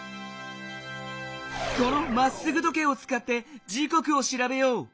この「まっすぐ時計」をつかって時こくをしらべよう。